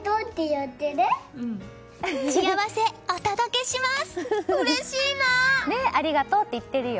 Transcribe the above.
幸せ、お届けします！